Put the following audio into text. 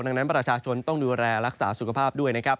ดังนั้นประชาชนต้องดูแลรักษาสุขภาพด้วยนะครับ